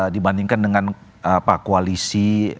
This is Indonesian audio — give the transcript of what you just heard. dibandingkan dengan koalisi